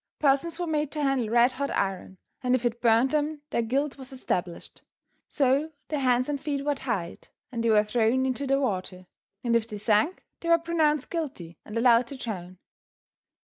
Persons were made to handle red hot iron, and if it burned them their guilt was established; so their hands and feet were tied, and they were thrown into the water, and if they sank they were pronounced guilty and allowed to drown.